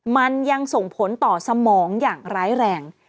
มันยังส่งผลต่อสมองอย่างร้ายแรง